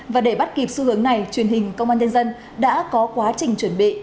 và để bắt kịp xu hướng này truyền hình công an nhân dân đã có quá trình chuẩn bị